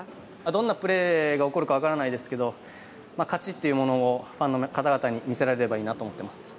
どんなプレーが起こるか分かりませんが勝ちというのをファンの方々に見せられればいいなと思っています。